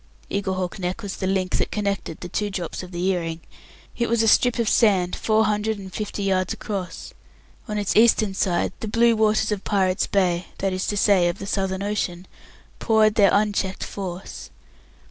Eaglehawk Neck was the link that connected the two drops of the earring. It was a strip of sand four hundred and fifty yards across. On its eastern side the blue waters of Pirates' Bay, that is to say, of the Southern Ocean, poured their unchecked force.